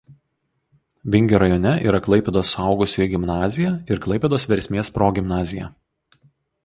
Vingio rajone yra Klaipėdos suaugusiųjų gimnazija ir Klaipėdos Versmės progimnazija.